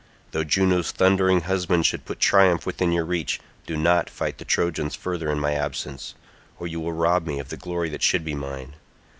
Though Juno's thundering husband should put triumph within your reach, do not fight the Trojans further in my absence, or you will rob me of glory that should be mine.